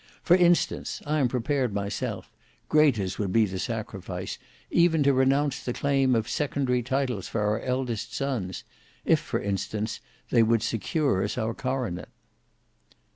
For instance, I am prepared myself, great as would be the sacrifice, even to renounce the claim of secondary titles for our eldest sons, if for instance they would secure us our coronet."